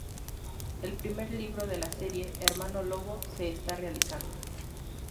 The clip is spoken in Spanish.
El primer libro de la serie, Hermano Lobo, se está realizando.